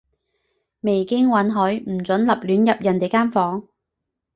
未經允許，唔准立亂入人哋間房